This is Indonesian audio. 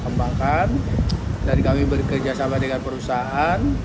kembangkan dan kami bekerja sama dengan perusahaan